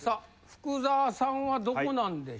福澤さんはどこなんでしょう？